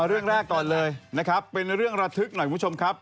เรื่องแรกก่อนเลยนะครับเป็นเรื่องระทึกหน่อยคุณผู้ชมครับ